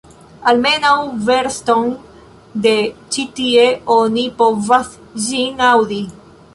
Almenaŭ verston de ĉi tie oni povas ĝin aŭdi!